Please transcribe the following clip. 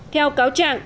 theo cáo trạng